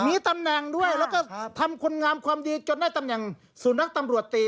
มีตำแหน่งด้วยแล้วก็ทำคุณงามความดีจนได้ตำแหน่งสุนัขตำรวจตี